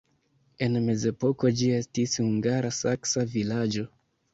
En mezepoko ĝi estis hungara-saksa vilaĝo.